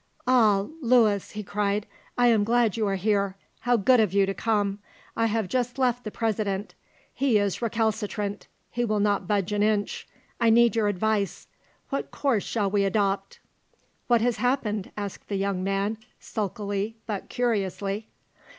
"Ah, Louis," he cried, "I am glad you are here. How good of you to come! I have just left the President; he is recalcitrant; he will not budge an inch. I need your advice. What course shall we adopt?" "What has happened?" asked the young man, sulkily but curiously.